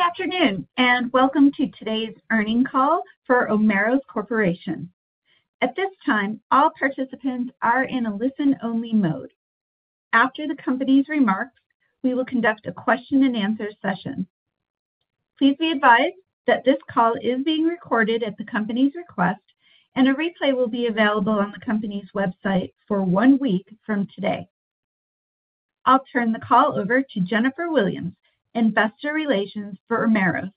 Good afternoon, and welcome to today's Earnings Call for Omeros Corporation. At this time, all participants are in a listen-only mode. After the company's remarks, we will conduct a question-and-answer session. Please be advised that this call is being recorded at the company's request, and a replay will be available on the company's website for one week from today. I'll turn the call over to Jennifer Williams, Investor Relations for Omeros.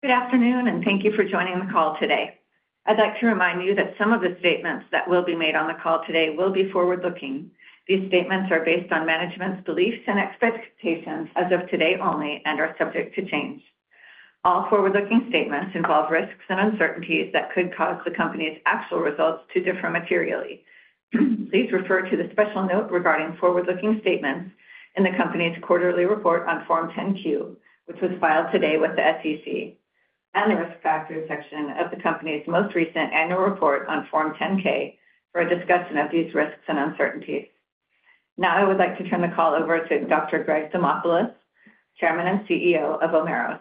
Good afternoon, and thank you for joining the call today. I'd like to remind you that some of the statements that will be made on the call today will be forward-looking. These statements are based on management's beliefs and expectations as of today only and are subject to change. All forward-looking statements involve risks and uncertainties that could cause the company's actual results to differ materially. Please refer to the special note regarding forward-looking statements in the company's quarterly report on Form 10-Q, which was filed today with the SEC, and the Risk Factors section of the company's most recent annual report on Form 10-K for a discussion of these risks and uncertainties. Now, I would like to turn the call over to Dr. Greg Demopulos, Chairman and CEO of Omeros.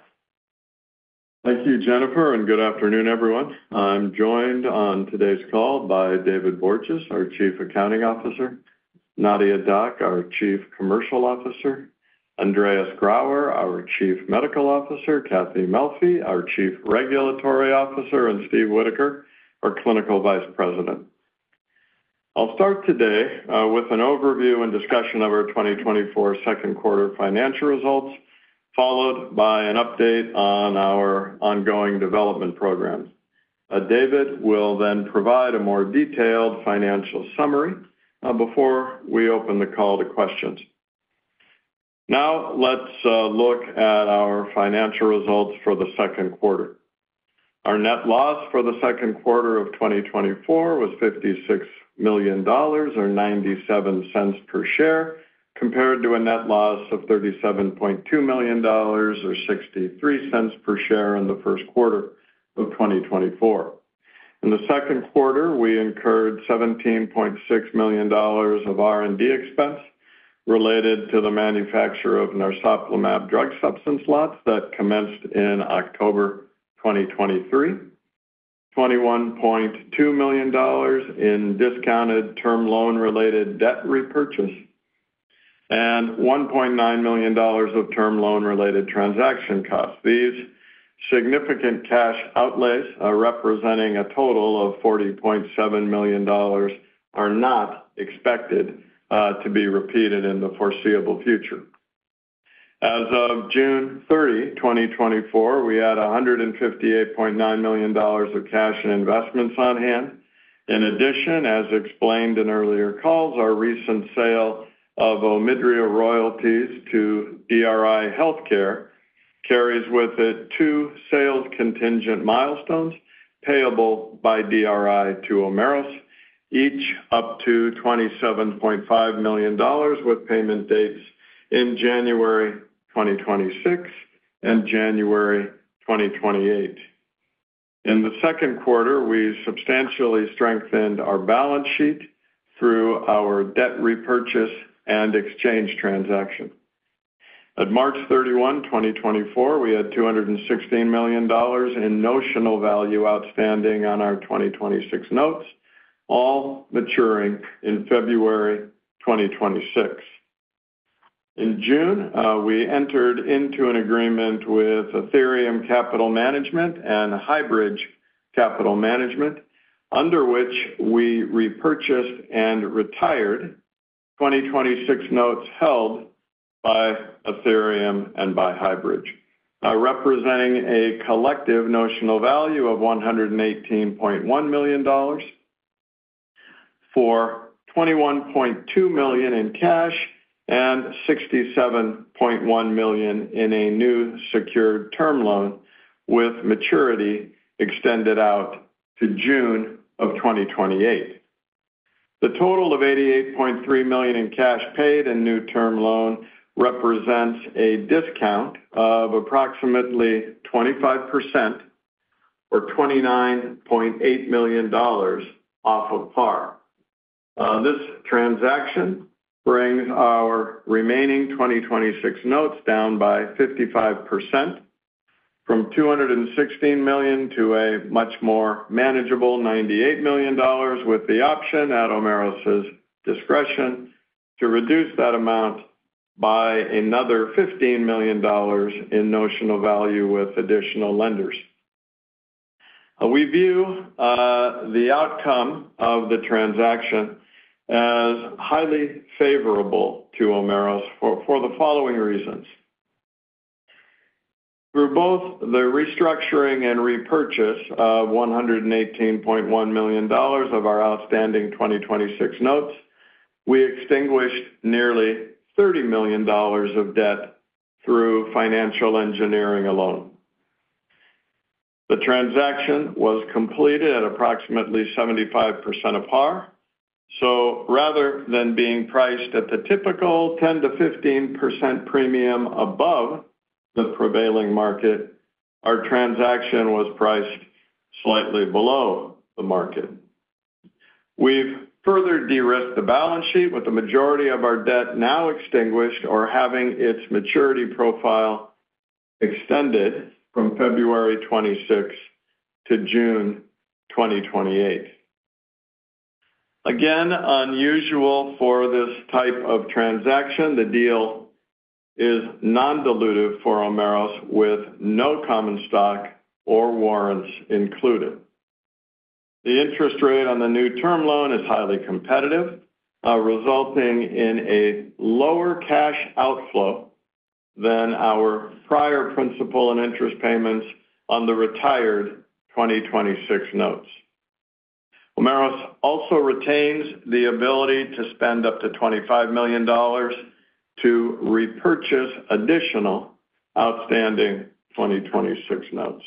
Thank you, Jennifer, and good afternoon, everyone. I'm joined on today's call by David Borges, our Chief Accounting Officer; Nadia Dac, our Chief Commercial Officer; Andreas Grauer, our Chief Medical Officer; Catherine Melfi, our Chief Regulatory Officer; and Steven Whittaker, our Clinical Vice President. I'll start today with an overview and discussion of our 2024 second quarter financial results, followed by an update on our ongoing development programs. David will then provide a more detailed financial summary before we open the call to questions. Now, let's look at our financial results for the second quarter. Our net loss for the second quarter of 2024 was $56 million, or 97 cents per share, compared to a net loss of $37.2 million or 63 cents per share in the first quarter of 2024. In the second quarter, we incurred $17.6 million of R&D expense related to the manufacture of narsoplimab drug substance lots that commenced in October 2023, $21.2 million in discounted term loan-related debt repurchase, and $1.9 million of term loan-related transaction costs. These significant cash outlays are representing a total of $40.7 million are not expected to be repeated in the foreseeable future. As of June 30, 2024, we had $158.9 million of cash and investments on hand. In addition, as explained in earlier calls, our recent sale of OMIDRIA royalties to DRI Healthcare carries with it two sales contingent milestones payable by DRI to Omeros, each up to $27.5 million, with payment dates in January 2026 and January 2028. In the second quarter, we substantially strengthened our balance sheet through our debt repurchase and exchange transaction. At March 31, 2024, we had $216 million in notional value outstanding on our 2026 notes, all maturing in February 2026. In June, we entered into an agreement with Athyrium Capital Management and Highbridge Capital Management, under which we repurchased and retired 2026 notes held by Athyrium and by Highbridge, representing a collective notional value of $118.1 million for $21.2 million in cash and $67.1 million in a new secured term loan, with maturity extended out to June of 2028. The total of $88.3 million in cash paid and new term loan represents a discount of approximately 25% or $29.8 million off of par. This transaction brings our remaining 2026 notes down by 55% from $216 million to a much more manageable $98 million, with the option at Omeros's discretion to reduce that amount by another $15 million in notional value with additional lenders. We view the outcome of the transaction as highly favorable to Omeros for the following reasons: Through both the restructuring and repurchase of $118.1 million of our outstanding 2026 notes, we extinguished nearly $30 million of debt through financial engineering alone. The transaction was completed at approximately 75% of par, so rather than being priced at the typical 10%-15% premium above the prevailing market, our transaction was priced slightly below the market. We've further de-risked the balance sheet, with the majority of our debt now extinguished or having its maturity profile extended from February 2026 to June 2028. Again, unusual for this type of transaction, the deal is non-dilutive for Omeros, with no common stock or warrants included. The interest rate on the new term loan is highly competitive, resulting in a lower cash outflow than our prior principal and interest payments on the retired 2026 notes. Omeros also retains the ability to spend up to $25 million to repurchase additional outstanding 2026 notes.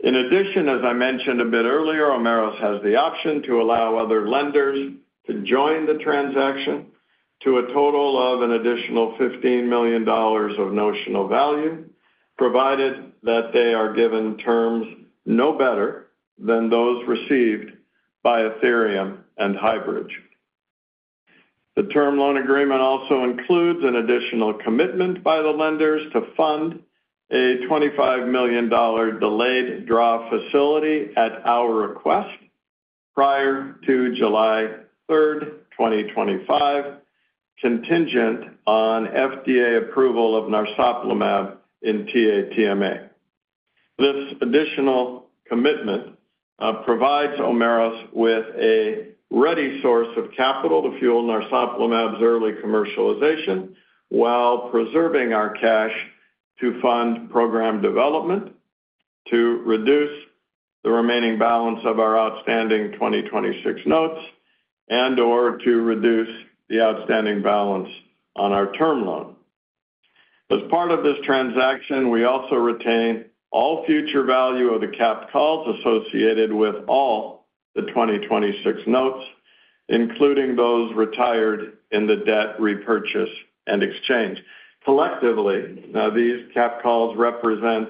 In addition, as I mentioned a bit earlier, Omeros has the option to allow other lenders to join the transaction to a total of an additional $15 million of notional value, provided that they are given terms no better than those received by Athyrium and Highbridge. The term loan agreement also includes an additional commitment by the lenders to fund a $25 million delayed draw facility at our request prior to July 3rd, 2025, contingent on FDA approval of narsoplimab in TA-TMA. This additional commitment provides Omeros with a ready source of capital to fuel narsoplimab's early commercialization, while preserving our cash to fund program development, to reduce the remaining balance of our outstanding 2026 notes, and/or to reduce the outstanding balance on our term loan. As part of this transaction, we also retain all future value of the capped calls associated with all the 2026 notes, including those retired in the debt repurchase and exchange. Collectively, now these capped calls represent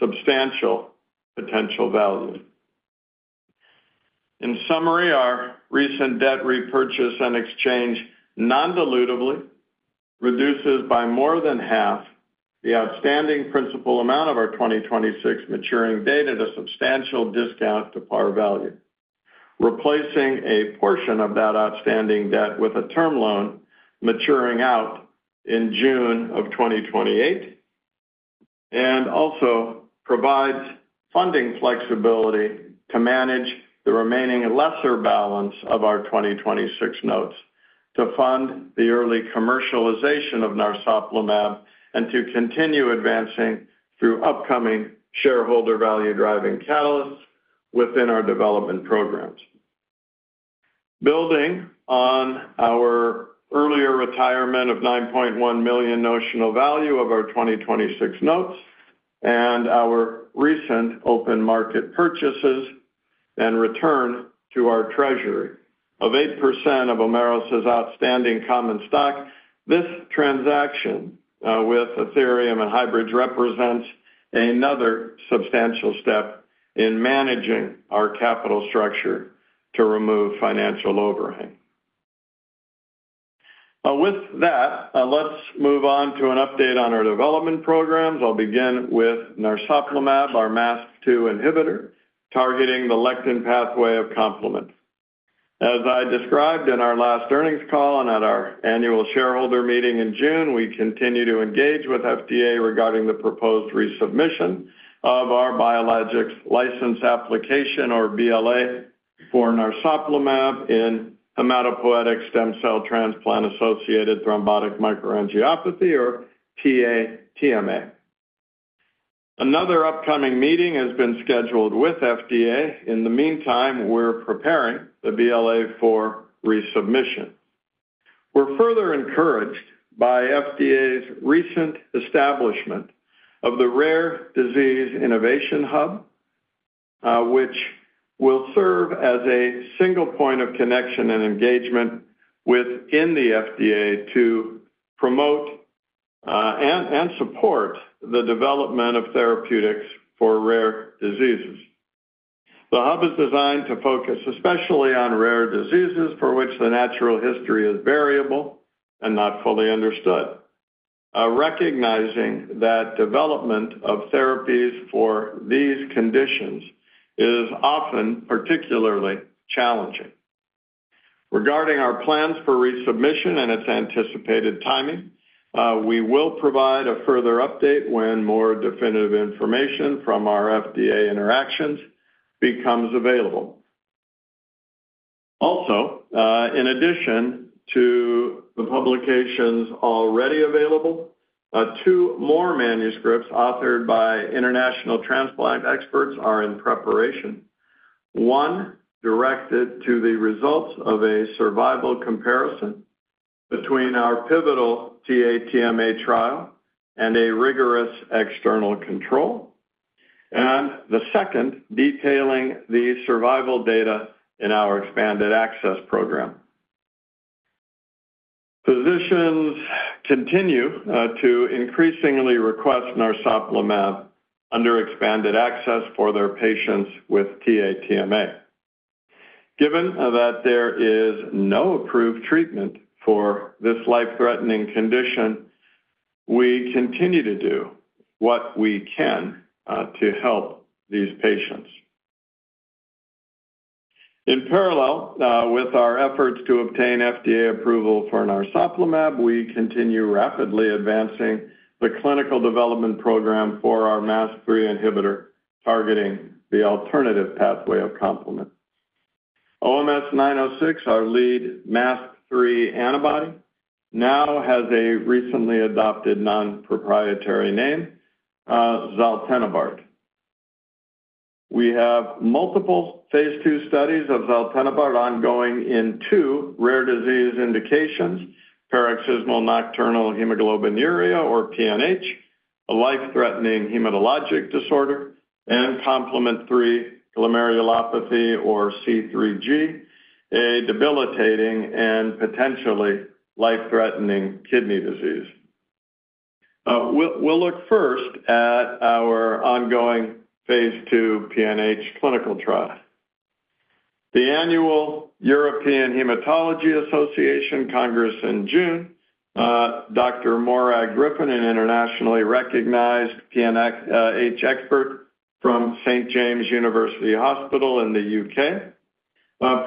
substantial potential value. In summary, our recent debt repurchase and exchange non-dilutively reduces by more than half the outstanding principal amount of our 2026 maturing debt at a substantial discount to par value, replacing a portion of that outstanding debt with a term loan maturing out in June of 2028, and also provides funding flexibility to manage the remaining lesser balance of our 2026 notes, to fund the early commercialization of narsoplimab, and to continue advancing through upcoming shareholder value-driving catalysts within our development programs. Building on our earlier retirement of $9.1 million notional value of our 2026 notes and our recent open market purchases and return to our treasury of 8% of Omeros' outstanding common stock, this transaction with Athyrium and Highbridge represents another substantial step in managing our capital structure to remove financial overhang. With that, let's move on to an update on our development programs. I'll begin with narsoplimab, our MASP-2 inhibitor, targeting the lectin pathway of complement. As I described in our last earnings call and at our annual shareholder meeting in June, we continue to engage with FDA regarding the proposed resubmission of our biologics license application, or BLA, for narsoplimab in hematopoietic stem cell transplant-associated thrombotic microangiopathy, or TA-TMA. Another upcoming meeting has been scheduled with FDA. In the meantime, we're preparing the BLA for resubmission. We're further encouraged by FDA's recent establishment of the Rare Disease Innovation Hub, which will serve as a single point of connection and engagement within the FDA to promote and support the development of therapeutics for rare diseases. The hub is designed to focus especially on rare diseases for which the natural history is variable and not fully understood, recognizing that development of therapies for these conditions is often particularly challenging. Regarding our plans for resubmission and its anticipated timing, we will provide a further update when more definitive information from our FDA interactions becomes available. Also, in addition to the publications already available, two more manuscripts authored by international transplant experts are in preparation. One, directed to the results of a survival comparison between our pivotal TA-TMA trial and a rigorous external control. And the second, detailing the survival data in our expanded access program... Physicians continue to increasingly request narsoplimab under expanded access for their patients with TA-TMA. Given that there is no approved treatment for this life-threatening condition, we continue to do what we can to help these patients. In parallel with our efforts to obtain FDA approval for narsoplimab, we continue rapidly advancing the clinical development program for our MASP-3 inhibitor, targeting the alternative pathway of complement. OMS906, our lead MASP-3 antibody, now has a recently adopted non-proprietary name, zaltenibart. We have multiple phase II studies of zaltenibart ongoing in two rare disease indications: paroxysmal nocturnal hemoglobinuria, or PNH, a life-threatening hematologic disorder, and C3 glomerulopathy, or C3G, a debilitating and potentially life-threatening kidney disease. We'll look first at our ongoing phase II PNH clinical trial. The annual European Hematology Association Congress in June, Dr. Morag Griffin, an internationally recognized PNH expert from St. James's University Hospital in the U.K.,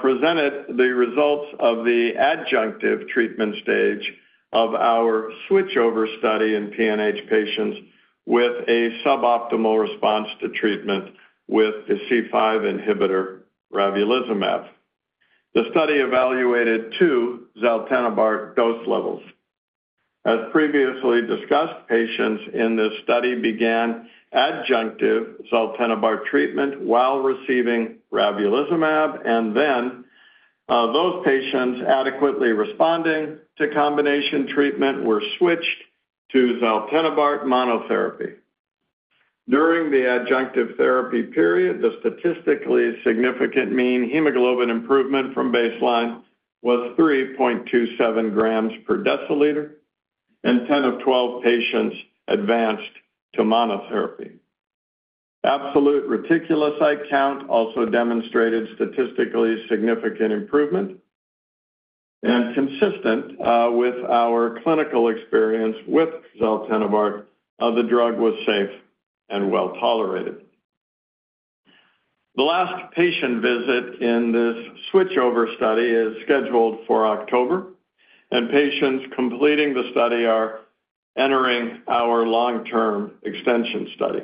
presented the results of the adjunctive treatment stage of our switchover study in PNH patients with a suboptimal response to treatment with the C5 inhibitor, ravulizumab. The study evaluated two zaltenibart dose levels. As previously discussed, patients in this study began adjunctive zaltenibart treatment while receiving ravulizumab, and then, those patients adequately responding to combination treatment were switched to zaltenibart monotherapy. During the adjunctive therapy period, the statistically significant mean hemoglobin improvement from baseline was 3.27 grams per deciliter, and 10 of 12 patients advanced to monotherapy. Absolute reticulocyte count also demonstrated statistically significant improvement, and consistent, with our clinical experience with zaltenibart, the drug was safe and well-tolerated. The last patient visit in this switchover study is scheduled for October, and patients completing the study are entering our long-term extension study.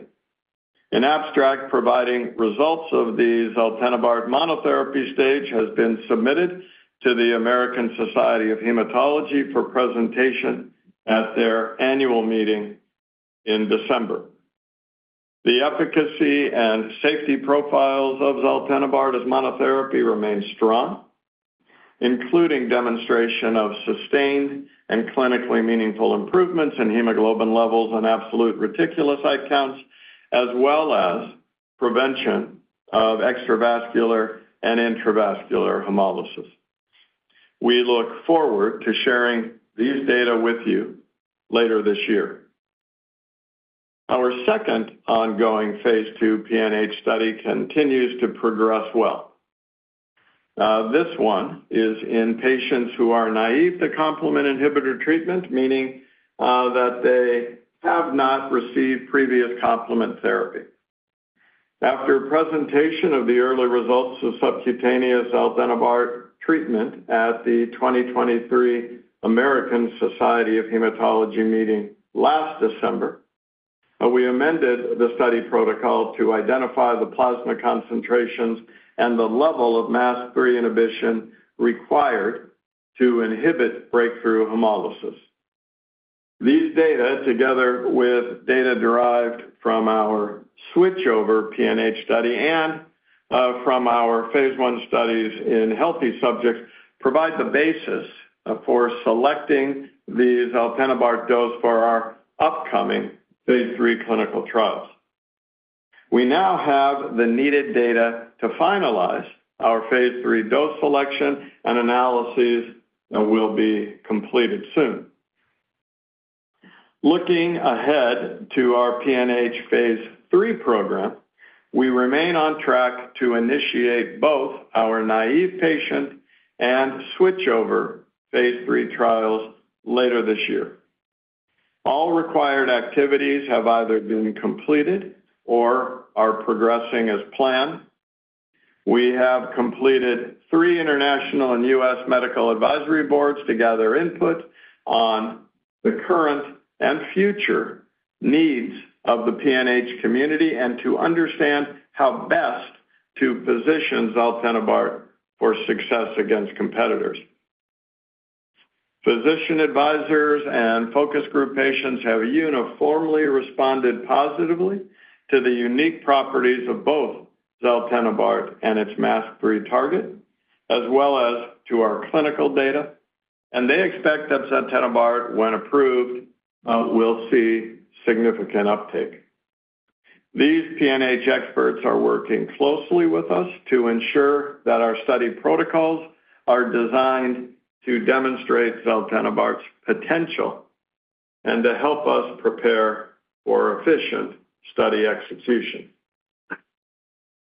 An abstract providing results of the zaltenibart monotherapy stage has been submitted to the American Society of Hematology for presentation at their annual meeting in December. The efficacy and safety profiles of zaltenibart as monotherapy remain strong, including demonstration of sustained and clinically meaningful improvements in hemoglobin levels and absolute reticulocyte counts, as well as prevention of extravascular and intravascular hemolysis. We look forward to sharing these data with you later this year. Our second ongoing phase II PNH study continues to progress well. This one is in patients who are naive to complement inhibitor treatment, meaning, that they have not received previous complement therapy. After presentation of the early results of subcutaneous zaltenibart treatment at the 2023 American Society of Hematology meeting last December, we amended the study protocol to identify the plasma concentrations and the level of MASP-3 inhibition required to inhibit breakthrough hemolysis. These data, together with data derived from our switchover PNH study and from our phase I studies in healthy subjects, provide the basis for selecting the zaltenibart dose for our upcoming phase III clinical trials. We now have the needed data to finalize our phase III dose selection, and analyses will be completed soon. Looking ahead to our PNH phase III program, we remain on track to initiate both our naive patient and switchover phase III trials later this year. All required activities have either been completed or are progressing as planned. We have completed three international and U.S. medical advisory boards to gather input on the current and future needs of the PNH community and to understand how best to position zaltenibart for success against competitors. Physician advisors and focus group patients have uniformly responded positively to the unique properties of both zaltenibart and its MASP-3 target, as well as to our clinical data, and they expect that zaltenibart, when approved, will see significant uptake. These PNH experts are working closely with us to ensure that our study protocols are designed to demonstrate zaltenibart's potential and to help us prepare for efficient study execution.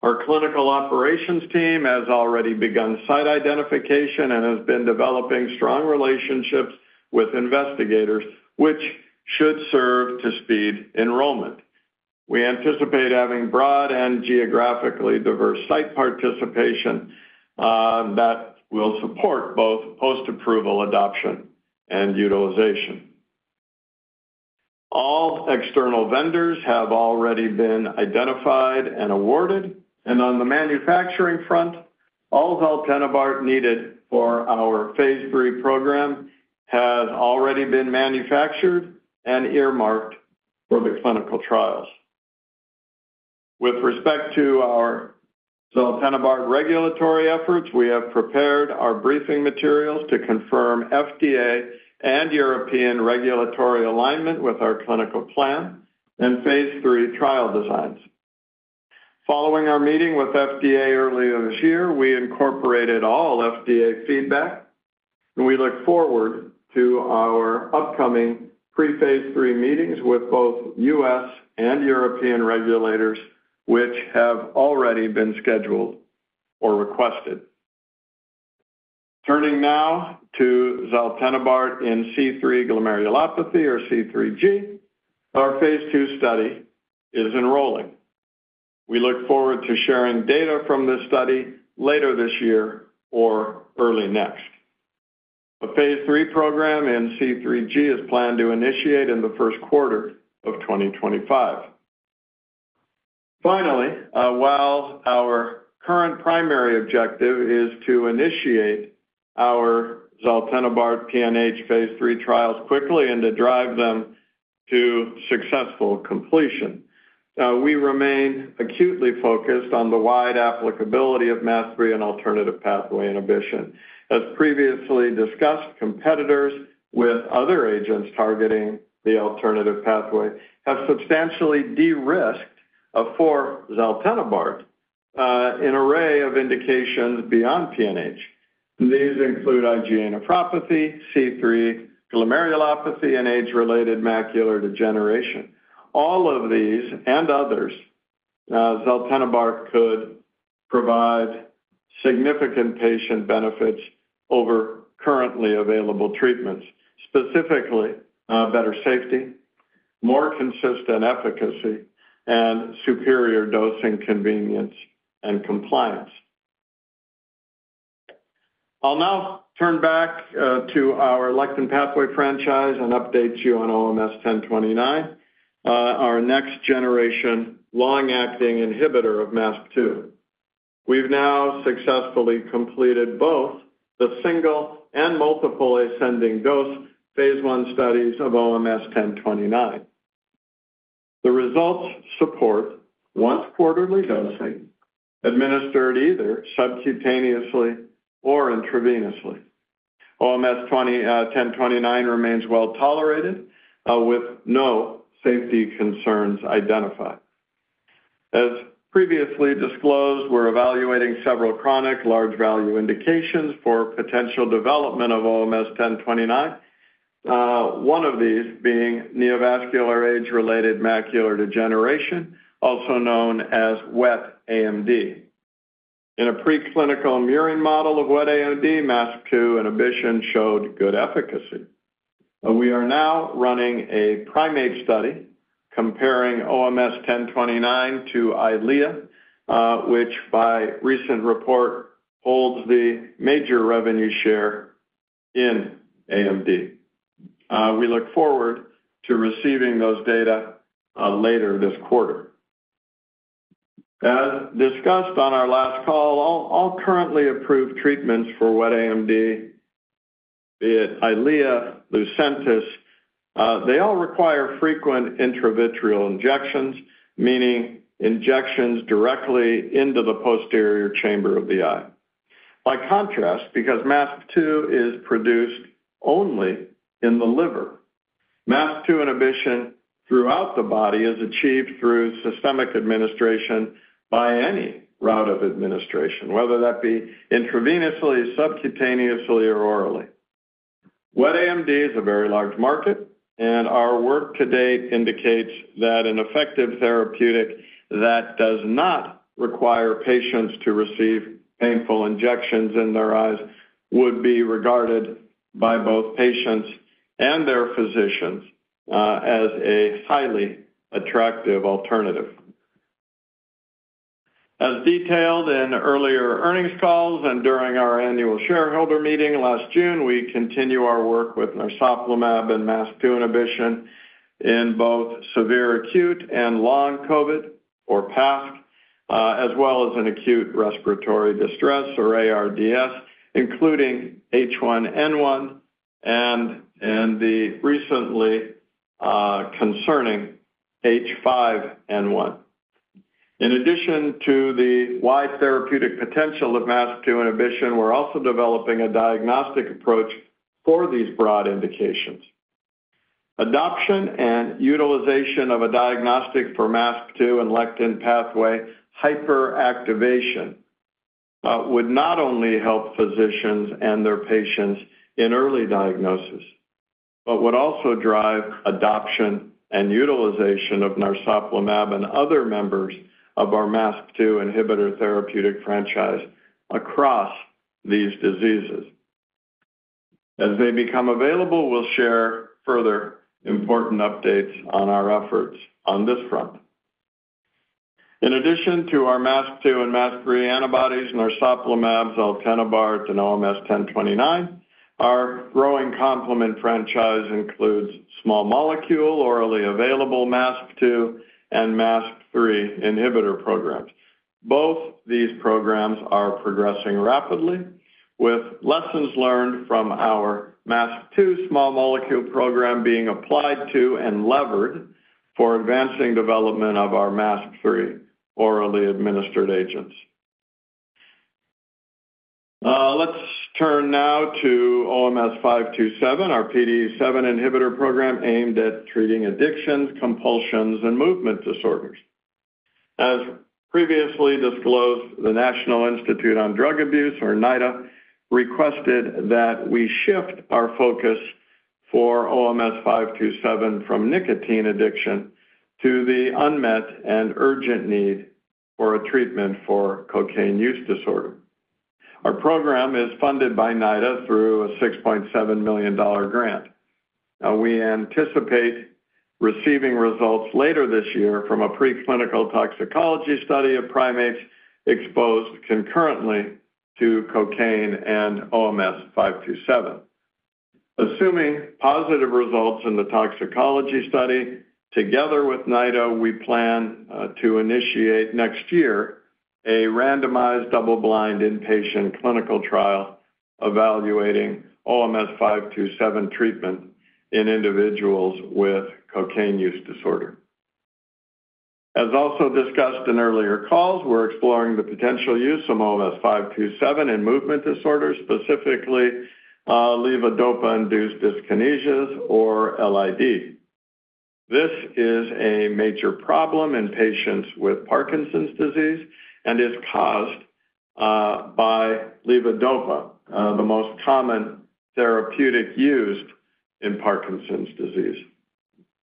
Our clinical operations team has already begun site identification and has been developing strong relationships with investigators, which should serve to speed enrollment. We anticipate having broad and geographically diverse site participation that will support both post-approval adoption and utilization. All external vendors have already been identified and awarded, and on the manufacturing front, all zaltenibart needed for our phase III program has already been manufactured and earmarked for the clinical trials. With respect to our zaltenibart regulatory efforts, we have prepared our briefing materials to confirm FDA and European regulatory alignment with our clinical plan and phase III trial designs. Following our meeting with FDA earlier this year, we incorporated all FDA feedback, and we look forward to our upcoming pre-phase III meetings with both US and European regulators, which have already been scheduled or requested. Turning now to zaltenibart in C3 glomerulopathy or C3G, our phase II study is enrolling. We look forward to sharing data from this study later this year or early next. The phase III program in C3G is planned to initiate in the first quarter of 2025. Finally, while our current primary objective is to initiate our zaltenibart PNH phase III trials quickly and to drive them to successful completion, we remain acutely focused on the wide applicability of MASP-3 and alternative pathway inhibition. As previously discussed, competitors with other agents targeting the alternative pathway have substantially de-risked for zaltenibart an array of indications beyond PNH. These include IgA nephropathy, C3 glomerulopathy, and age-related macular degeneration. All of these and others, zaltenibart could provide significant patient benefits over currently available treatments, specifically, better safety, more consistent efficacy, and superior dosing, convenience, and compliance. I'll now turn back to our lectin pathway franchise and update you on OMS1029, our next generation long-acting inhibitor of MASP-2. We've now successfully completed both the single and multiple ascending dose phase I studies of OMS1029. The results support once quarterly dosing, administered either subcutaneously or intravenously. OMS1029 remains well tolerated, with no safety concerns identified. As previously disclosed, we're evaluating several chronic large value indications for potential development of OMS1029, one of these being neovascular age-related macular degeneration, also known as wet AMD. In a preclinical murine model of wet AMD, MASP-2 inhibition showed good efficacy. We are now running a primate study comparing OMS1029 to Eylea, which by recent report, holds the major revenue share in AMD. We look forward to receiving those data later this quarter. As discussed on our last call, all currently approved treatments for wet AMD, be it Eylea, Lucentis, they all require frequent intravitreal injections, meaning injections directly into the posterior chamber of the eye. By contrast, because MASP-2 is produced only in the liver, MASP-2 inhibition throughout the body is achieved through systemic administration by any route of administration, whether that be intravenously, subcutaneously, or orally. Wet AMD is a very large market, and our work to date indicates that an effective therapeutic that does not require patients to receive painful injections in their eyes would be regarded by both patients and their physicians as a highly attractive alternative. As detailed in earlier earnings calls and during our annual shareholder meeting last June, we continue our work with narsoplimab and MASP-2 inhibition in both severe acute and long COVID or PASC, as well as an acute respiratory distress, or ARDS, including H1N1 and the recently concerning H5N1. In addition to the wide therapeutic potential of MASP-2 inhibition, we're also developing a diagnostic approach for these broad indications. Adoption and utilization of a diagnostic for MASP-2 and lectin pathway hyperactivation would not only help physicians and their patients in early diagnosis, but would also drive adoption and utilization of narsoplimab and other members of our MASP-2 inhibitor therapeutic franchise across these diseases. As they become available, we'll share further important updates on our efforts on this front. In addition to our MASP-2 and MASP-3 antibodies, narsoplimab, zaltenibart, and OMS1029, our growing complement franchise includes small molecule, orally available MASP-2 and MASP-3 inhibitor programs. Both these programs are progressing rapidly, with lessons learned from our MASP-2 small molecule program being applied to and levered for advancing development of our MASP-3 orally administered agents. Let's turn now to OMS527, our PDE7 inhibitor program aimed at treating addictions, compulsions, and movement disorders. As previously disclosed, the National Institute on Drug Abuse, or NIDA, requested that we shift our focus for OMS527 from nicotine addiction to the unmet and urgent need for a treatment for cocaine use disorder. Our program is funded by NIDA through a $6.7 million grant. We anticipate receiving results later this year from a preclinical toxicology study of primates exposed concurrently to cocaine and OMS527. Assuming positive results in the toxicology study, together with NIDA, we plan to initiate next year a randomized, double-blind, inpatient clinical trial evaluating OMS527 treatment in individuals with cocaine use disorder. As also discussed in earlier calls, we're exploring the potential use of OMS527 in movement disorders, specifically, levodopa-induced dyskinesias, or LID. This is a major problem in patients with Parkinson's disease and is caused by levodopa, the most common therapeutic used in Parkinson's disease.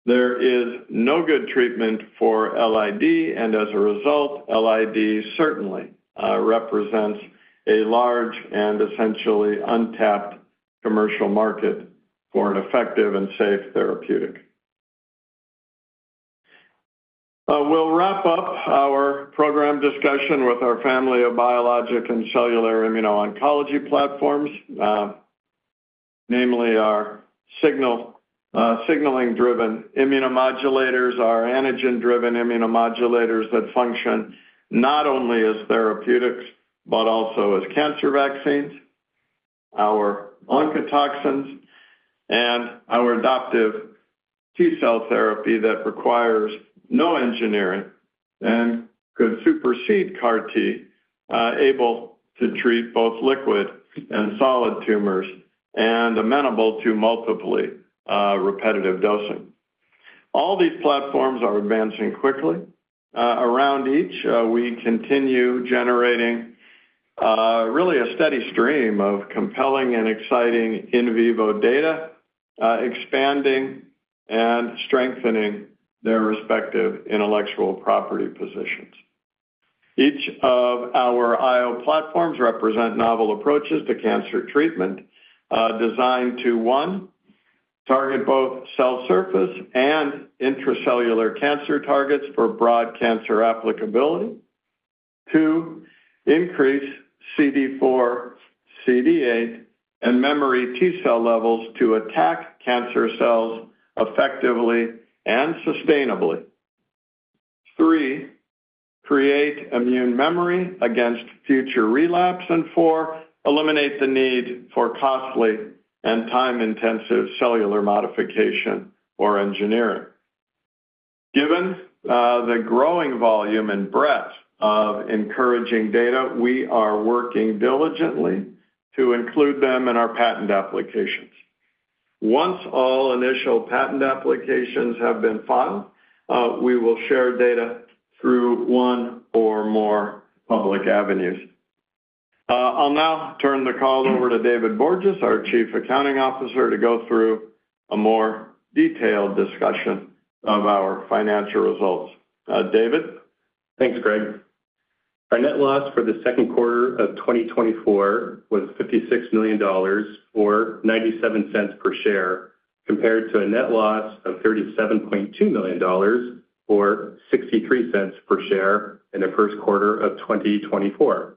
There is no good treatment for LID, and as a result, LID certainly represents a large and essentially untapped commercial market for an effective and safe therapeutic. We'll wrap up our program discussion with our family of biologic and cellular immuno-oncology platforms, namely our signaling-driven immunomodulators, our antigen-driven immunomodulators that function not only as therapeutics, but also as cancer vaccines, our oncotoxins, and our adoptive T-cell therapy that requires no engineering and could supersede CAR T, able to treat both liquid and solid tumors and amenable to multiply repetitive dosing. All these platforms are advancing quickly. Around each, we continue generating really a steady stream of compelling and exciting in vivo data, expanding and strengthening their respective intellectual property positions. Each of our IO platforms represent novel approaches to cancer treatment, designed to, one, target both cell surface and intracellular cancer targets for broad cancer applicability. Two, increase CD4, CD8, and memory T-cell levels to attack cancer cells effectively and sustainably. Three, create immune memory against future relapse. And four, eliminate the need for costly and time-intensive cellular modification or engineering. Given the growing volume and breadth of encouraging data, we are working diligently to include them in our patent applications. Once all initial patent applications have been filed, we will share data through one or more public avenues. I'll now turn the call over to David Borges, our Chief Accounting Officer, to go through a more detailed discussion of our financial results. David? Thanks, Greg. Our net loss for the second quarter of 2024 was $56 million, or $0.97 per share, compared to a net loss of $37.2 million, or $0.63 per share, in the first quarter of 2024.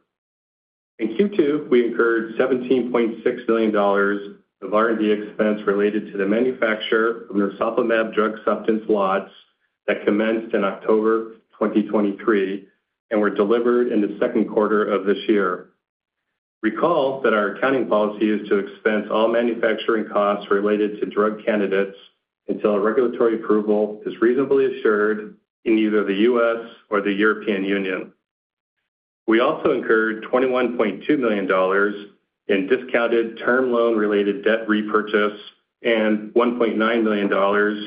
In Q2, we incurred $17.6 million of R&D expense related to the manufacture of narsoplimab drug substance lots that commenced in October 2023 and were delivered in the second quarter of this year. Recall that our accounting policy is to expense all manufacturing costs related to drug candidates until a regulatory approval is reasonably assured in either the U.S. or the European Union. We also incurred $21.2 million in discounted term loan-related debt repurchase and $1.9 million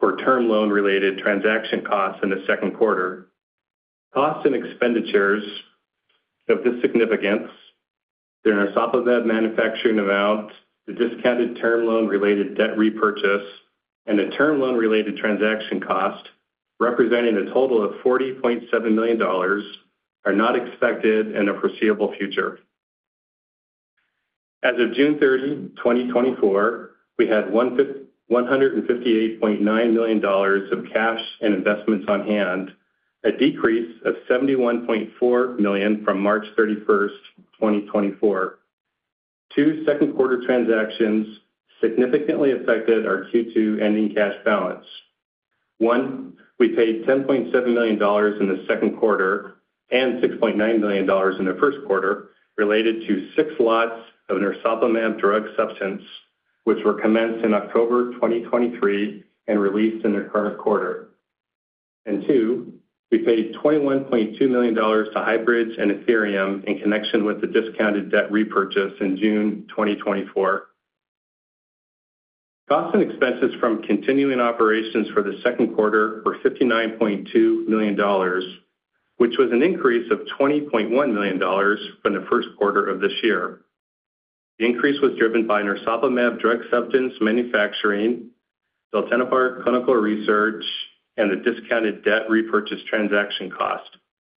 for term loan-related transaction costs in the second quarter. Costs and expenditures of this significance, the narsoplimab manufacturing amount, the discounted term loan-related debt repurchase, and the term loan-related transaction cost, representing a total of $40.7 million, are not expected in the foreseeable future. As of June 30, 2024, we had $158.9 million of cash and investments on hand, a decrease of $71.4 million from March 31, 2024. Two second quarter transactions significantly affected our Q2 ending cash balance. One, we paid $10.7 million in the second quarter and $6.9 million in the first quarter, related to 6 lots of narsoplimab drug substance, which were commenced in October 2023 and released in the current quarter. And two, we paid $21.2 million to Highbridge and Athyrium in connection with the discounted debt repurchase in June 2024. Costs and expenses from continuing operations for the second quarter were $59.2 million, which was an increase of $20.1 million from the first quarter of this year. The increase was driven by narsoplimab drug substance manufacturing, zaltenibart clinical research, and the discounted debt repurchase transaction cost,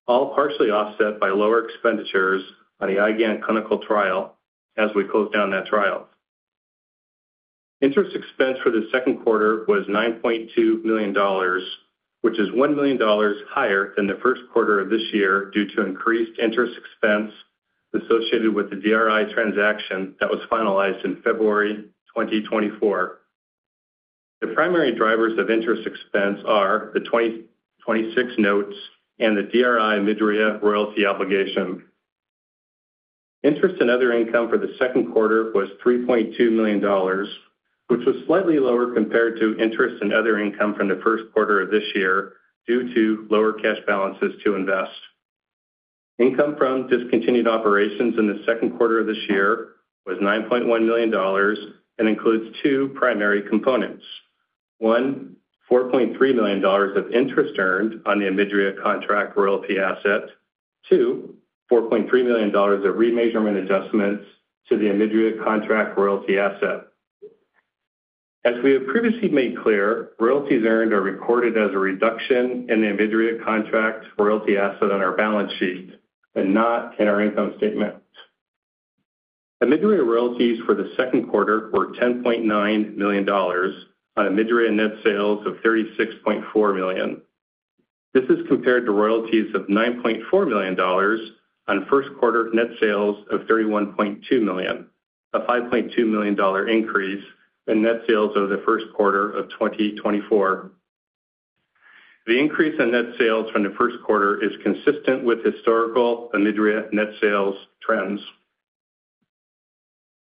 all partially offset by lower expenditures on the IgAN clinical trial as we closed down that trial. Interest expense for the second quarter was $9.2 million, which is $1 million higher than the first quarter of this year due to increased interest expense associated with the DRI transaction that was finalized in February 2024. The primary drivers of interest expense are the 2026 notes and the DRI OMIDRIA royalty obligation. Interest and other income for the second quarter was $3.2 million, which was slightly lower compared to interest and other income from the first quarter of this year, due to lower cash balances to invest. Income from discontinued operations in the second quarter of this year was $9.1 million and includes two primary components: One, $4.3 million of interest earned on the OMIDRIA contract royalty asset. Two, $4.3 million of remeasurement adjustments to the OMIDRIA contract royalty asset. As we have previously made clear, royalties earned are recorded as a reduction in the OMIDRIA contract royalty asset on our balance sheet, and not in our income statement. OMIDRIA royalties for the second quarter were $10.9 million on OMIDRIA net sales of $36.4 million. This is compared to royalties of $9.4 million on first quarter net sales of $31.2 million, a $5.2 million increase in net sales over the first quarter of 2024. The increase in net sales from the first quarter is consistent with historical OMIDRIA net sales trends.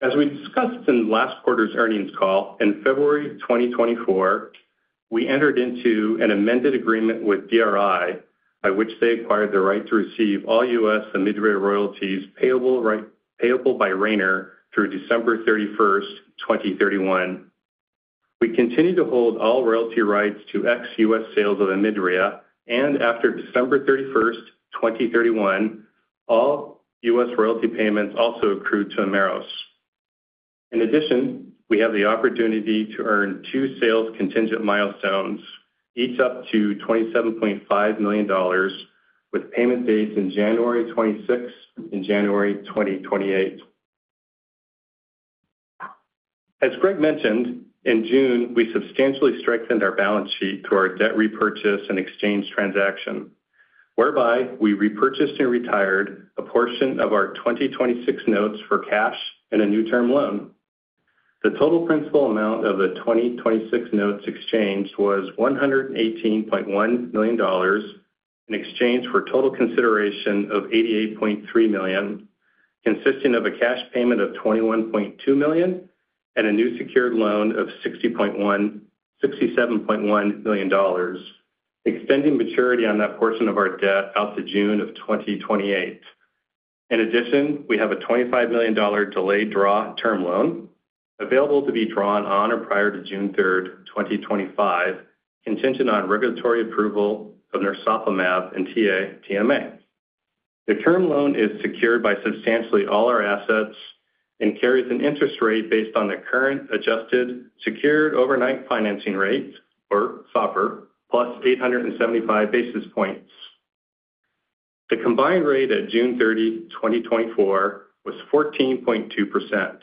As we discussed in last quarter's earnings call, in February 2024, we entered into an amended agreement with DRI, by which they acquired the right to receive all US OMIDRIA royalties payable by Rayner through December 31, 2031. We continue to hold all royalty rights to ex-US sales of OMIDRIA, and after December 31, 2031, all US royalty payments also accrue to Omeros. In addition, we have the opportunity to earn two sales-contingent milestones, each up to $27.5 million, with payment dates in January 2026 and January 2028. As Greg mentioned, in June, we substantially strengthened our balance sheet through our debt repurchase and exchange transaction, whereby we repurchased and retired a portion of our 2026 notes for cash and a new term loan. The total principal amount of the 2026 notes exchanged was $118.1 million, in exchange for total consideration of $88.3 million, consisting of a cash payment of $21.2 million and a new secured loan of $67.1 million, extending maturity on that portion of our debt out to June of 2028. In addition, we have a $25 million delayed draw term loan available to be drawn on or prior to June 3, 2025, contingent on regulatory approval of narsoplimab and TA-TMA. The term loan is secured by substantially all our assets and carries an interest rate based on the current adjusted secured overnight financing rate, or SOFR, plus 875 basis points. The combined rate at June 30, 2024, was 14.2%.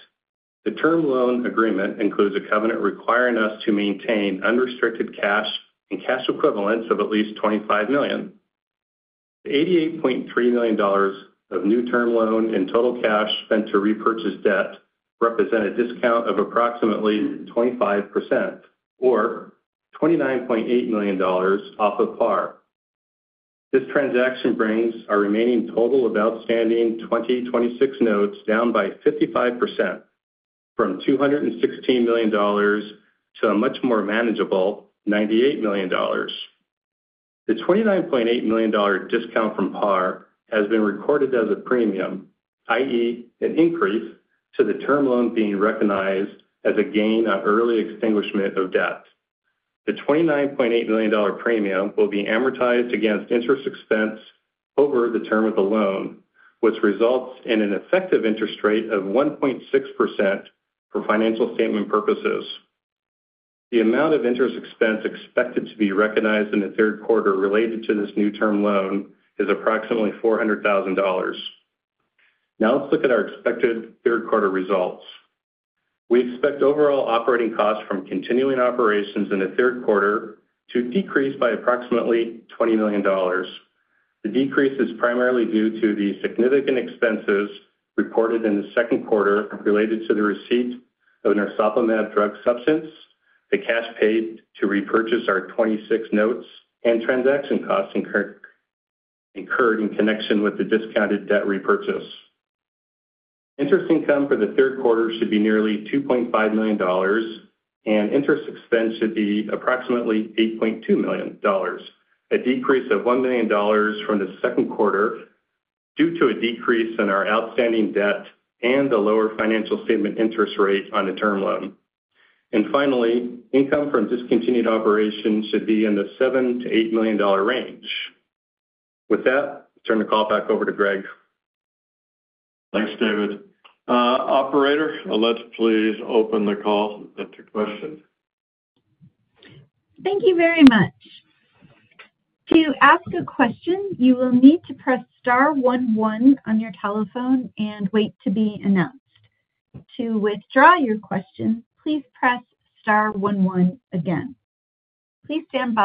The term loan agreement includes a covenant requiring us to maintain unrestricted cash and cash equivalents of at least $25 million. The $88.3 million of new term loan and total cash spent to repurchase debt represent a discount of approximately 25%, or $29.8 million off of par. This transaction brings our remaining total of outstanding 2026 notes down by 55%, from $216 million to a much more manageable $98 million. The $29.8 million discount from par has been recorded as a premium, i.e., an increase to the term loan being recognized as a gain on early extinguishment of debt. The $29.8 million premium will be amortized against interest expense over the term of the loan, which results in an effective interest rate of 1.6% for financial statement purposes. The amount of interest expense expected to be recognized in the third quarter related to this new term loan is approximately $400,000. Now, let's look at our expected third quarter results. We expect overall operating costs from continuing operations in the third quarter to decrease by approximately $20 million. The decrease is primarily due to the significant expenses reported in the second quarter related to the receipt of narsoplimab drug substance, the cash paid to repurchase our 2026 notes, and transaction costs incurred in connection with the discounted debt repurchase. Interest income for the third quarter should be nearly $2.5 million, and interest expense should be approximately $8.2 million, a decrease of $1 million from the second quarter due to a decrease in our outstanding debt and the lower financial statement interest rate on the term loan. Finally, income from discontinued operations should be in the $7-$8 million range. With that, turn the call back over to Greg. Thanks, David. Operator, let's please open the call up to questions. Thank you very much. To ask a question, you will need to press star one one on your telephone and wait to be announced. To withdraw your question, please press star one one again. Please stand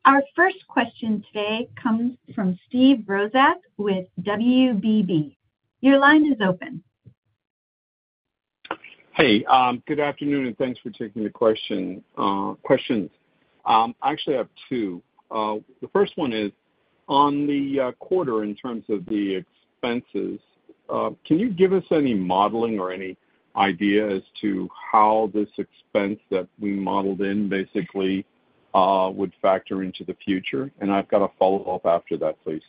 by while we compile the Q&A roster. Our first question today comes from Steve Brozak with WBB. Your line is open. Hey, good afternoon, and thanks for taking the question, questions. I actually have two. The first one is, on the quarter, in terms of the expenses, can you give us any modeling or any idea as to how this expense that we modeled in basically would factor into the future? And I've got a follow-up after that, please.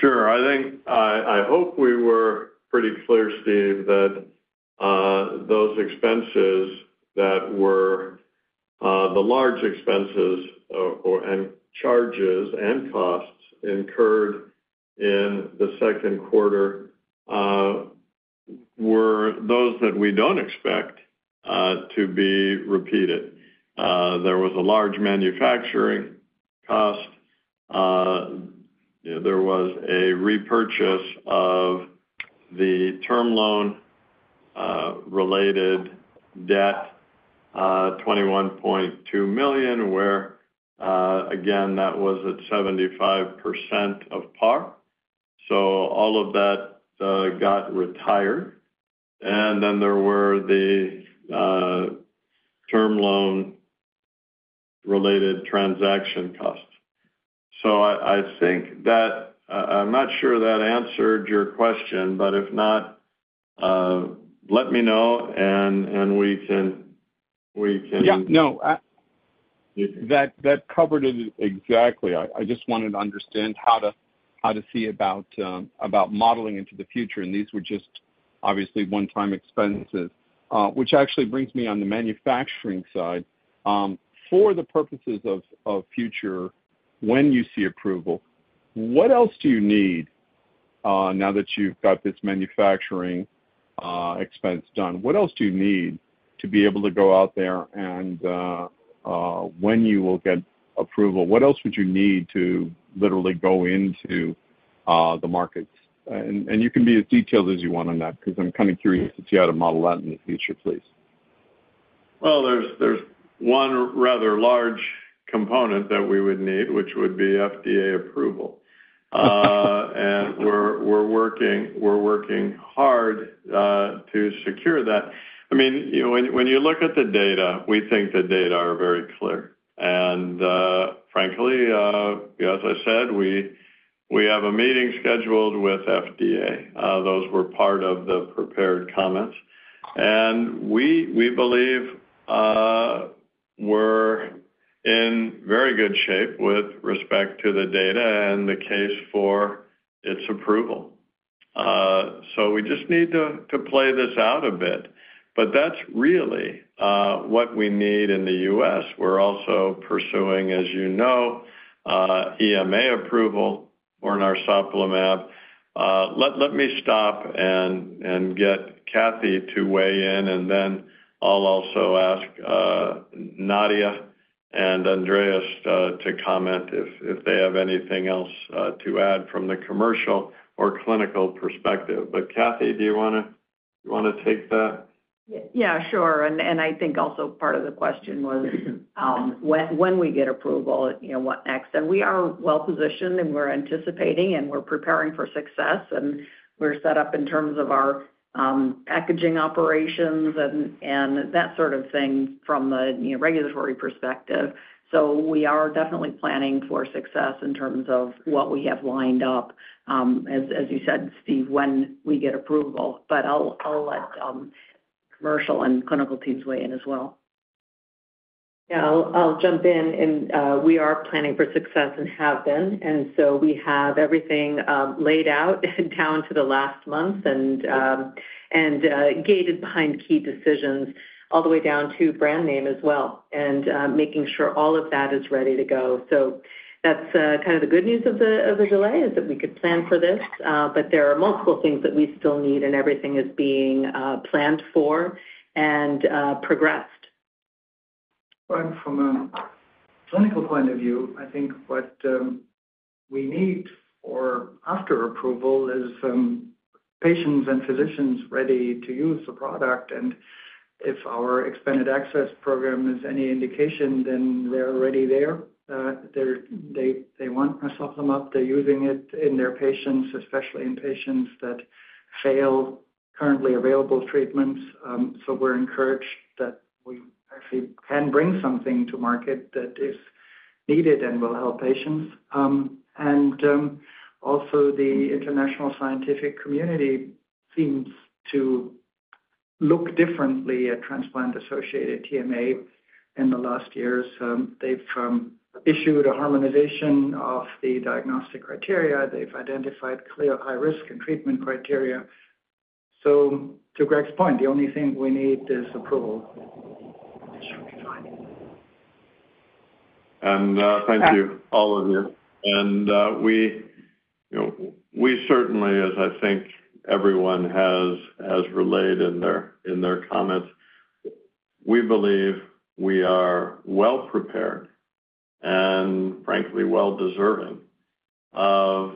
Sure. I think I hope we were pretty clear, Steve, that those expenses that were the large expenses or and charges and costs incurred in the second quarter were those that we don't expect to be repeated. There was a large manufacturing cost. There was a repurchase of the term loan related debt, $21.2 million, where again that was at 75% of par. So all of that got retired. And then there were the term loan-related transaction costs. So I think that. I'm not sure that answered your question, but if not, let me know and we can, we can- Yeah, no, that covered it exactly. I just wanted to understand how to see about modeling into the future. These were just obviously one-time expenses, which actually brings me on the manufacturing side. For the purposes of future, when you see approval, what else do you need now that you've got this manufacturing expense done? What else do you need to be able to go out there and when you will get approval, what else would you need to literally go into the markets? You can be as detailed as you want on that, because I'm kind of curious to see how to model that in the future, please. Well, there's one rather large component that we would need, which would be FDA approval. And we're working hard to secure that. I mean, you know, when you look at the data, we think the data are very clear. And, frankly, as I said, we have a meeting scheduled with FDA. Those were part of the prepared comments. And we believe we're in very good shape with respect to the data and the case for its approval. So we just need to play this out a bit. But that's really what we need in the US. We're also pursuing, as you know, EMA approval for narsoplimab. Let me stop and get Kathy to weigh in, and then I'll also ask Nadia and Andreas to comment if they have anything else to add from the commercial or clinical perspective. But Kathy, do you want to? You want to take that? Yeah, sure. And I think also part of the question was, when we get approval, you know, what next? And we are well positioned, and we're anticipating, and we're preparing for success, and we're set up in terms of our packaging operations and that sort of thing from a regulatory perspective. So we are definitely planning for success in terms of what we have lined up, as you said, Steve, when we get approval. But I'll let commercial and clinical teams weigh in as well. Yeah, I'll jump in, and we are planning for success and have been, and so we have everything laid out down to the last month and gated behind key decisions all the way down to brand name as well, and making sure all of that is ready to go. So that's kind of the good news of the delay, is that we could plan for this, but there are multiple things that we still need, and everything is being planned for and progressed. But from a clinical point of view, I think what we need for after approval is patients and physicians ready to use the product. And if our expanded access program is any indication, then they're already there. They want narsoplimab, they're using it in their patients, especially in patients that fail currently available treatments. So we're encouraged that we actually can bring something to market that is needed and will help patients. And also the international scientific community seems to look differently at transplant-associated TMA in the last years. They've issued a harmonization of the diagnostic criteria. They've identified clear, high risk and treatment criteria. So to Greg's point, the only thing we need is approval. Thank you, all of you. We, you know, we certainly, as I think everyone has relayed in their comments, we believe we are well prepared and frankly, well deserving of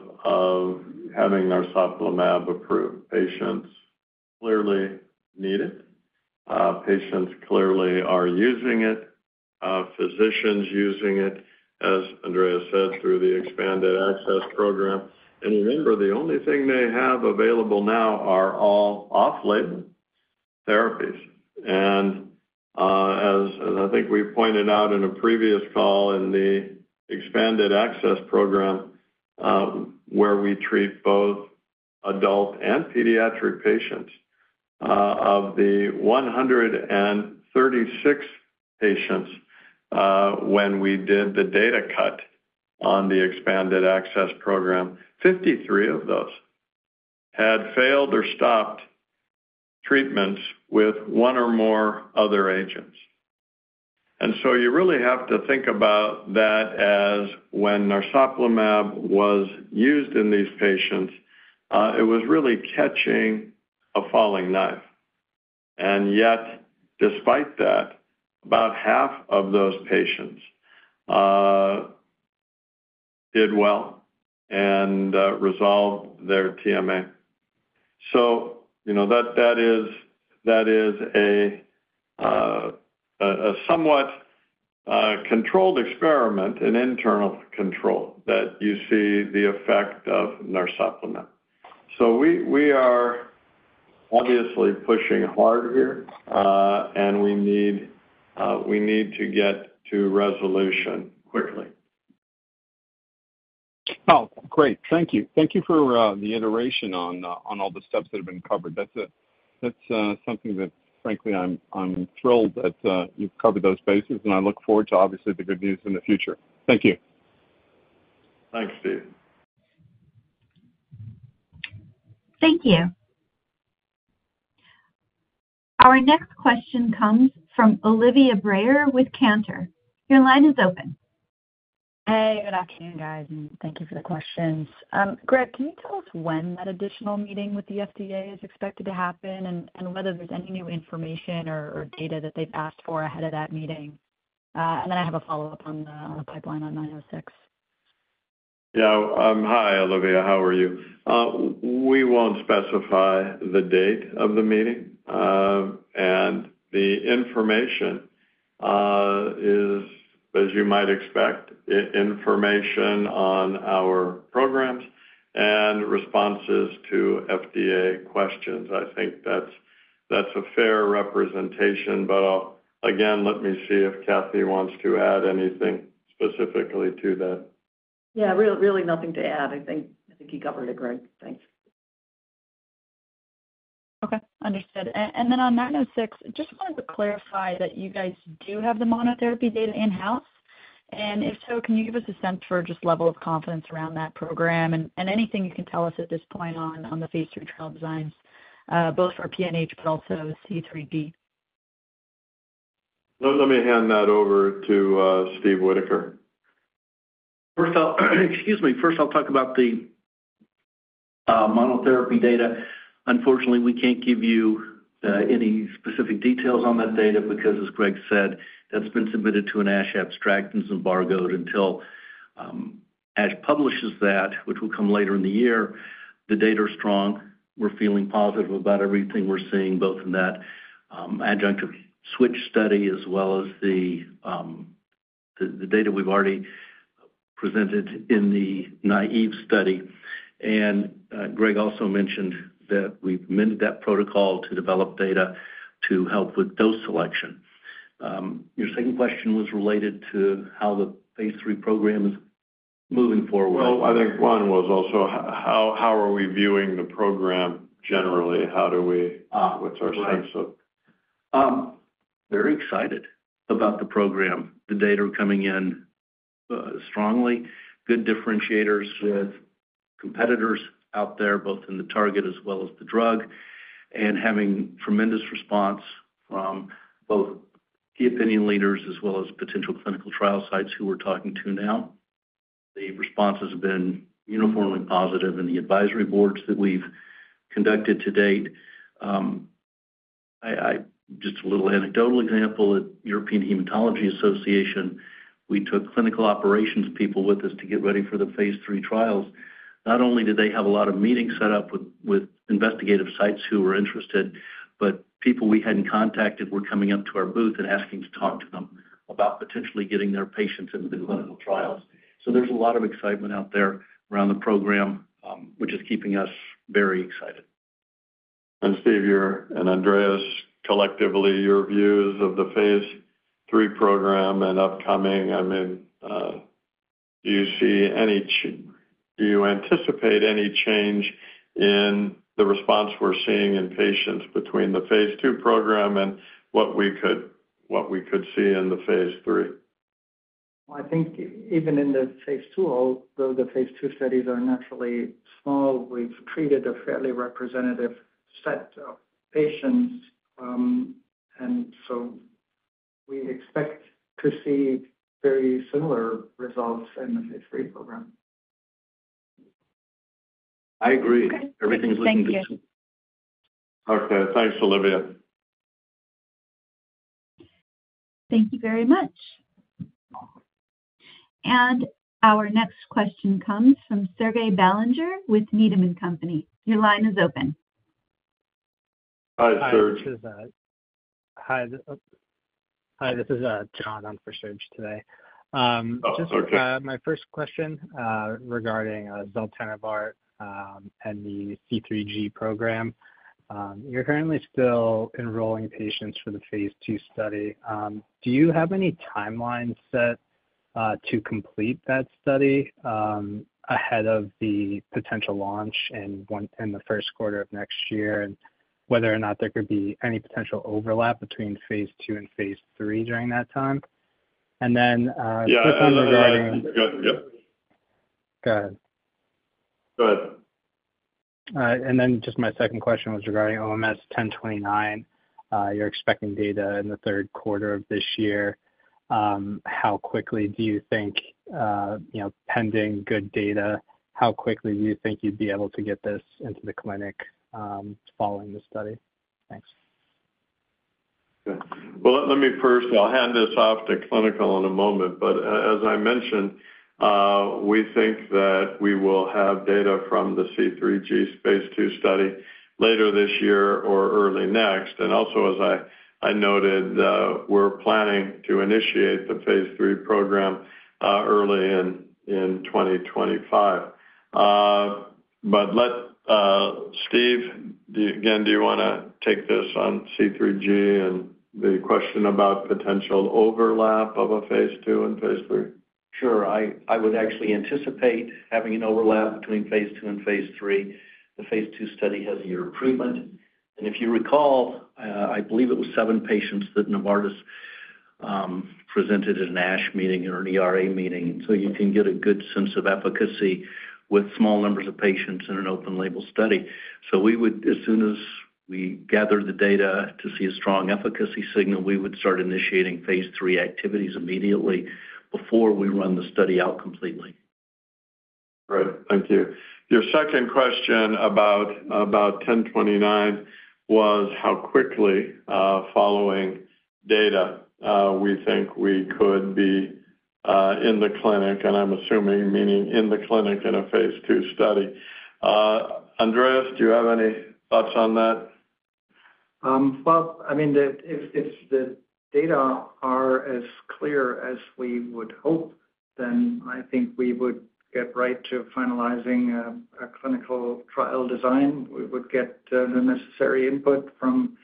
having narsoplimab approved. Patients clearly need it. Patients clearly are using it, physicians using it, as Andreas said, through the expanded access program. Remember, the only thing they have available now are all off-label therapies. As I think we pointed out in a previous call in the expanded access program, where we treat both adult and pediatric patients, of the 136 patients, when we did the data cut on the expanded access program, 53 of those had failed or stopped treatments with one or more other agents. And so you really have to think about that ASH when narsoplimab was used in these patients, it was really catching a falling knife. And yet, despite that, about half of those patients did well and resolved their TMA. So, you know, that is a somewhat controlled experiment and internal control, that you see the effect of narsoplimab. So we are obviously pushing hard here, and we need to get to resolution quickly. Oh, great. Thank you. Thank you for the iteration on all the steps that have been covered. That's something that frankly, I'm thrilled that you've covered those bases, and I look forward to obviously the good news in the future. Thank you. Thanks, Steve. Thank you. Our next question comes from Olivia Brayer with Cantor. Your line is open. Hey, good afternoon, guys, and thank you for the questions. Greg, can you tell us when that additional meeting with the FDA is expected to happen, and whether there's any new information or data that they've asked for ahead of that meeting? Then I have a follow-up on the pipeline on 906. Yeah. Hi, Olivia, how are you? We won't specify the date of the meeting, and the information is, as you might expect, information on our programs and responses to FDA questions. I think that's a fair representation, but I'll again, let me see if Kathy wants to add anything specifically to that. Yeah, really nothing to add. I think you covered it, Greg. Thanks. Okay, understood. And then on 906, just wanted to clarify that you guys do have the monotherapy data in-house, and if so, can you give us a sense for just level of confidence around that program and anything you can tell us at this point on the phase III trial designs, both for PNH but also C3G? Let me hand that over to Steve Whittaker. First, I'll talk about the monotherapy data. Unfortunately, we can't give you any specific details on that data because as Greg said, that's been submitted to an ASH abstract and embargoed until as publishes that, which will come later in the year, the data are strong. We're feeling positive about everything we're seeing, both in that, adjunctive switch study as well as the data we've already presented in the naive study. And, Greg also mentioned that we've amended that protocol to develop data to help with dose selection. Your second question was related to how the phase III program is moving forward? Well, I think one was also how are we viewing the program generally? How do we- Ah. What's our sense of? Very excited about the program. The data are coming in strongly. Good differentiators with competitors out there, both in the target as well as the drug, and having tremendous response from both key opinion leaders as well as potential clinical trial sites who we're talking to now. The responses have been uniformly positive in the advisory boards that we've conducted to date. Just a little anecdotal example, at European Hematology Association, we took clinical operations people with us to get ready for the phase III trials. Not only did they have a lot of meetings set up with investigative sites who were interested, but people we hadn't contacted were coming up to our booth and asking to talk to them about potentially getting their patients into the clinical trials. There's a lot of excitement out there around the program, which is keeping us very excited. Steve and Andreas, collectively, your views of the phase III program and upcoming, I mean, do you anticipate any change in the response we're seeing in patients between the phase II program and what we could see in the phase III? I think even in the phase II, although the phase II studies are naturally small, we've treated a fairly representative set of patients. And so we expect to see very similar results in the phase III program. I agree. Okay. Everything is looking good. Thank you. Okay. Thanks, Olivia. Thank you very much. Our next question comes from Serge Belanger with Needham & Company. Your line is open. Hi, Serge. Hi, this is John on for Serge today. Oh, okay. Just, my first question, regarding zaltenibart and the C3G program. You're currently still enrolling patients for the phase II study. Do you have any timelines set to complete that study ahead of the potential launch in one—in the first quarter of next year? And whether or not there could be any potential overlap between phase II and phase III during that time? And then, just on regarding- Yeah, go ahead. Go ahead. Go ahead. And then just my second question was regarding OMS1029. You're expecting data in the third quarter of this year. How quickly do you think, you know, pending good data, how quickly do you think you'd be able to get this into the clinic, following the study? Thanks. Good. Well, let me first, I'll hand this off to clinical in a moment, but as I mentioned, we think that we will have data from the C3g phase II study later this year or early next. And also, as I noted, we're planning to initiate the phase III program early in 2025. But let, Steve, do you, again, do you wanna take this on C3g and the question about potential overlap of a phase II and phase III? Sure. I would actually anticipate having an overlap between phase II and phase III. The phase II study has a year of treatment, and if you recall, I believe it was seven patients that Novartis presented at an ASH meeting or an ERA meeting. So you can get a good sense of efficacy with small numbers of patients in an open label study. So we would, as soon as we gather the data to see a strong efficacy signal, we would start initiating phase III activities immediately before we run the study out completely. Great. Thank you. Your second question about 1029 was how quickly, following data, we think we could be in the clinic, and I'm assuming meaning in the clinic in a Phase II study. Andreas, do you have any thoughts on that? Well, I mean, if the data are as clear as we would hope, then I think we would get right to finalizing a clinical trial design. We would get the necessary input from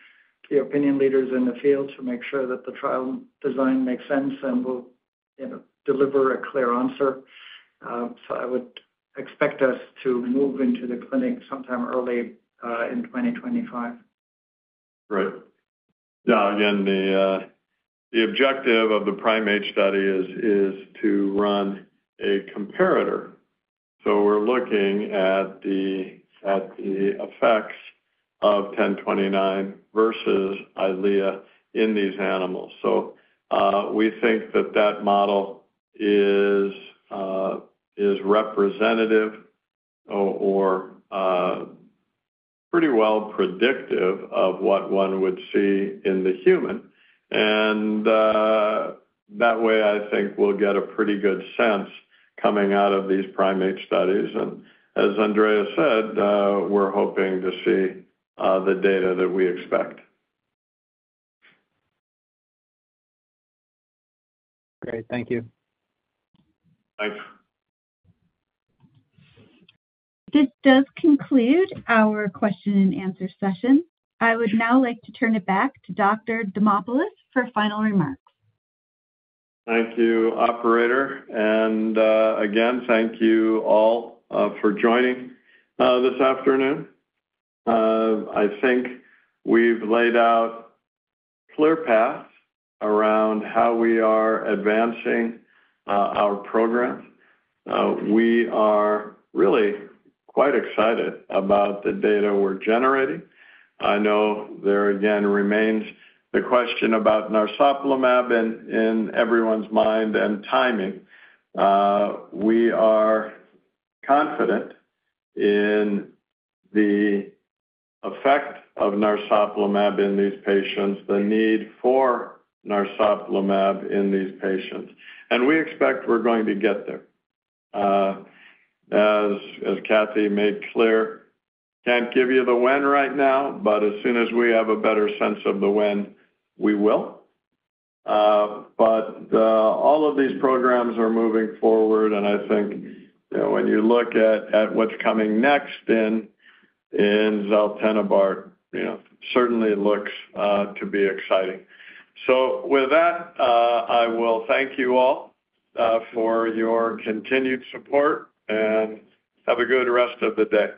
the opinion leaders in the field to make sure that the trial design makes sense, and will, you know, deliver a clear answer. So I would expect us to move into the clinic sometime early in 2025. Great. Now, again, the objective of the primate study is to run a comparator. So we're looking at the effects of 1029 versus EYLEA in these animals. So we think that model is representative or pretty well predictive of what one would see in the human. And that way, I think we'll get a pretty good sense coming out of these primate studies. And as Andreas said, we're hoping to see the data that we expect. Great. Thank you. Thanks. This does conclude our question and answer session. I would now like to turn it back to Dr. Demopulos for final remarks. Thank you, operator. And again, thank you all for joining this afternoon. I think we've laid out clear paths around how we are advancing our programs. We are really quite excited about the data we're generating. I know there, again, remains the question about narsoplimab in everyone's mind and timing. We are confident in the effect of narsoplimab in these patients, the need for narsoplimab in these patients, and we expect we're going to get there. As Kathy made clear, can't give you the when right now, but as soon as we have a better sense of the when, we will. But all of these programs are moving forward, and I think, you know, when you look at what's coming next in zaltenibart, you know, certainly looks to be exciting. So with that, I will thank you all for your continued support, and have a good rest of the day.